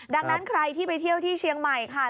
ดังนั้นใครที่ไปเที่ยวที่เชียงใหม่ค่ะ